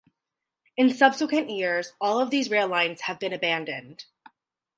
In subsequent years, all of these rail lines have been abandoned.